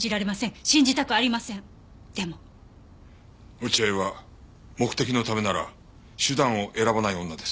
落合は目的のためなら手段を選ばない女です。